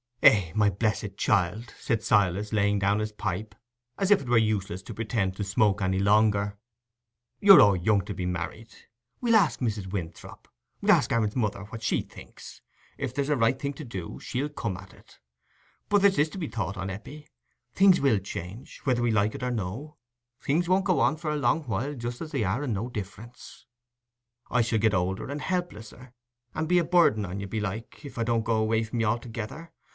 "Eh, my blessed child," said Silas, laying down his pipe as if it were useless to pretend to smoke any longer, "you're o'er young to be married. We'll ask Mrs. Winthrop—we'll ask Aaron's mother what she thinks: if there's a right thing to do, she'll come at it. But there's this to be thought on, Eppie: things will change, whether we like it or no; things won't go on for a long while just as they are and no difference. I shall get older and helplesser, and be a burden on you, belike, if I don't go away from you altogether.